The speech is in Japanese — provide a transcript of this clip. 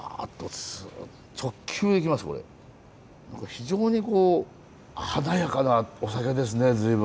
非常にこう華やかなお酒ですね随分。